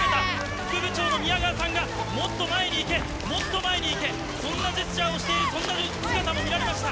副部長の宮川さんが、もっと前に行け、もっと前に行け、そんなジェスチャーをしている、そんな姿も見られました。